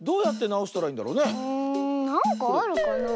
なんかあるかなあ？